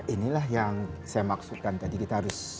inilah yang saya maksudkan tadi kita harus